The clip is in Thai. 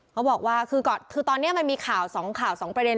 เขาบอกว่าคือตอนนี้มันมีข่าว๒ข่าว๒ประเด็น